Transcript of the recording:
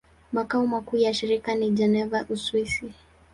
Makao makuu ya shirika ni Geneva, Uswisi.